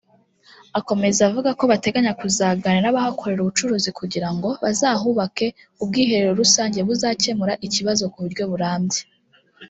Akomeza avuga ko bateganya kuzaganira n’abahakorera ubucuruzi kugira ngo bazahubake ubwiherero rusange buzakemura ikibazo kuburyo burambye